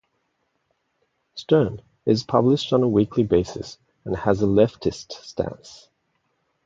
"Stern" is published on a weekly basis and has a leftist stance.